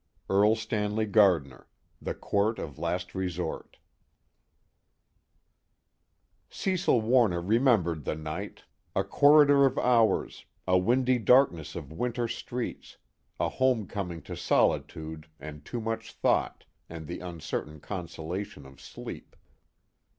ERLE STANLEY GARDNER, The Court of Last Resort I Cecil Warner remembered the night, a corridor of hours, a windy darkness of winter streets, a homecoming to solitude and too much thought and the uncertain consolation of sleep.